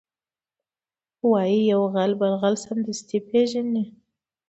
وایي یو غل بل غل سمدستي پېژني